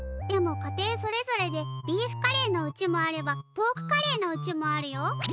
でも家庭それぞれでビーフカレーのうちもあればポークカレーのうちもあるよ。